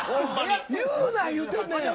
言うな言うてんねん。